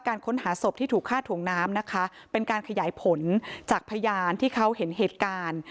ค้นหาศพที่ถูกฆ่าถ่วงน้ำนะคะเป็นการขยายผลจากพยานที่เขาเห็นเหตุการณ์